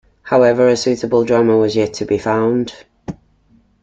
However, a suitable drummer was yet to be found.